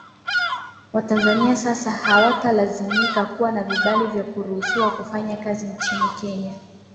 Watanzania sasa hawatalazimika kuwa vibali vya kuruhusiwa kufanya kazi nchini Kenya